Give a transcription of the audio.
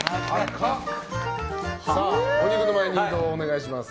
お肉の前に移動お願いします。